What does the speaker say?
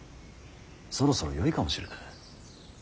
そろそろよいかもしれぬ。